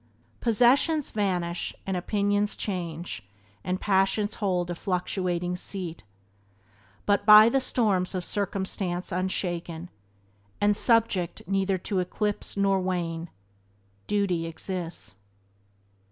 "Possessions vanish, and opinions change, And passions hold a fluctuating seat: But, by the storms of circumstance unshaken, And subject neither to eclipse nor wane, Duty exists."